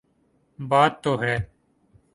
بات تو ہے۔